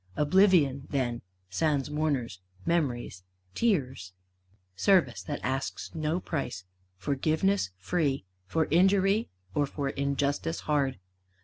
Oblivion then, sans mourners, memories, tears! Service that asks no price; forgiveness free For injury or for injustice hard.